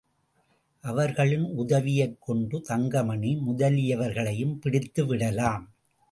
அவர்களின் உதவியைக்கொண்டு தங்கமணி முதலியவர்களையும் பிடித்துவிடலாம்.